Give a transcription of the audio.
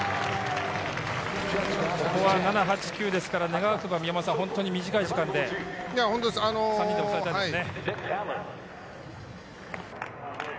ここは７・８・９ですから、短い時間で、３人で抑えたいですね。